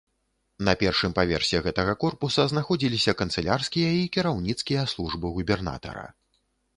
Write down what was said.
На першым паверсе гэтага корпуса знаходзіліся канцылярскія і кіраўніцкія службы губернатара.